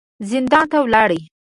زندان ته ولاړې.